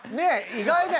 意外だよ！